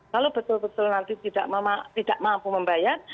kalau betul betul nanti tidak mampu membayar